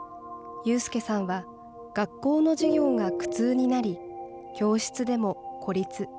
有祐さんは、学校の授業が苦痛になり、教室でも孤立。